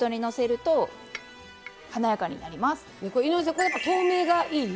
これやっぱ透明がいい？